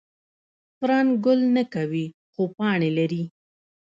فرن ګل نه کوي خو پاڼې لري